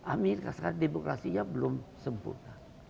amir khasnya demokrasi belum sempurna